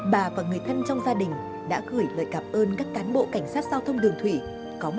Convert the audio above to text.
bà và người thân trong gia đình đã gửi lời cảm ơn các cán bộ cảnh sát giao thông đường thủy có mặt kịp thời cứu giúp